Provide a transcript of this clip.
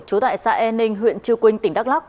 chú tại xã e ninh huyện chư quynh tỉnh đắk lắk